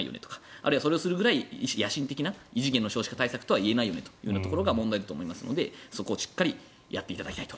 あるいはそれをするぐらい野心的な異次元の少子化対策とは言えないところが問題だと思うのでしっかりやっていただきたいと。